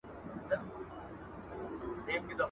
هغه څه چي ته یې لټوې، هماغه ستا په خپل وجود کي دي